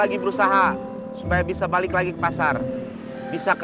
dur determinasi kemas untuk belakangnya bisa dibilang